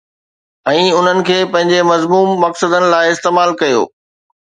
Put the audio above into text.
۽ انهن کي پنهنجي مذموم مقصدن لاءِ استعمال ڪيو